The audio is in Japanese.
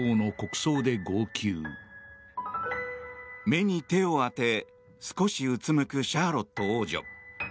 目に手を当て、少しうつむくシャーロット王女。